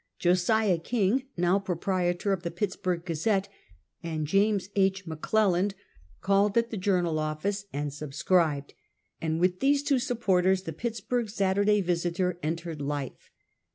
Josiah King, now proprietor of the Pittsburg Gazette and James H. McClelland called at the Journal office and subscribed, and with these two supporters, the Pittsburg Saturday Visiter, en tered life.